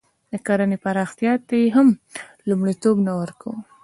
د کرنې پراختیا ته یې هم لومړیتوب نه ورکاوه.